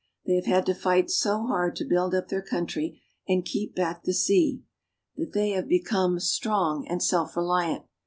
They have had to fight so hard to build up their country and keep back the sea, that they have become 144 THE NETHERLANDS. strong and self reliant.